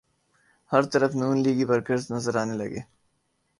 ہر طرف نون لیگی ورکر نظر آنے لگے۔